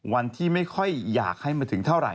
วันที่ไม่ค่อยอยากให้มาถึงเท่าไหร